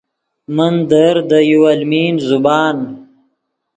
من در دے یو المین زبان